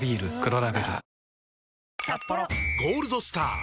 「ゴールドスター」！